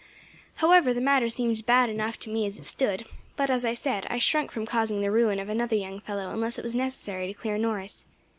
"However, the matter seemed bad enough to me as it stood; but, as I said, I shrunk from causing the ruin of another young fellow unless it was necessary to clear Norris.